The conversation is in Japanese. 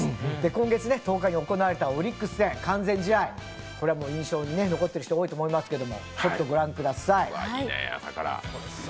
今月１０日に行われたオリックス戦完全試合、これは印象に残っている人多いと思いますけど、御覧ください。